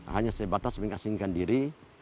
hanya saya batas mengasihkan diri